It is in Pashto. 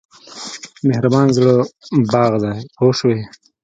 مهربان زړه باغ دی پوه شوې!.